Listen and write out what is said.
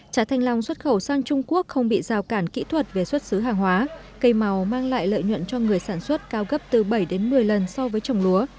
trà thanh long xuất khẩu sang trung quốc không bị rào cản kỹ thuật về xuất xứ hàng hóa cây màu mang lại lợi nhuận cho người sản xuất cao gấp từ bảy đến một mươi lần so với trồng lúa